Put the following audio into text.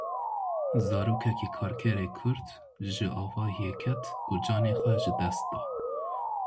Zarokekî karker ê Kurd ji avahiyê ket û canê xwe ji dest da.